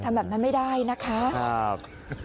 ทำแบบนั้นไม่ได้นะครับ